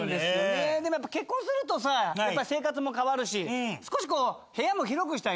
でもやっぱ結婚するとさ生活も変わるし少し部屋も広くしたいなっていうね。